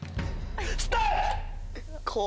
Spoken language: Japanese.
スタート！